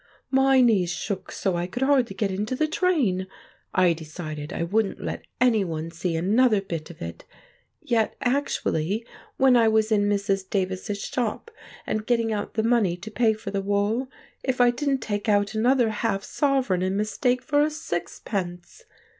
"My knees shook so I could hardly get into the train. I decided I wouldn't let anyone see another bit of it; yet actually, when I was in Mrs. Davis's shop and getting out the money to pay for the wool, if I didn't take out another half sovereign in mistake for a sixpence!